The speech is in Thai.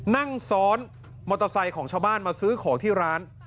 นั่งซ้อนมอเตอร์ไซค์ของชาวบ้านมาซื้อของที่ร้าน